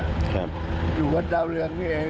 ครับอยู่กับดาวเรืองนี่เอง